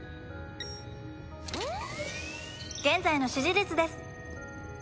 現在の支持率です。